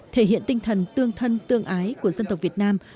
thể hiện tinh thần tương thân tương ái của dân tộc việt nam